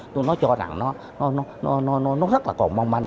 tôi nói cho rằng nó rất là còn mong manh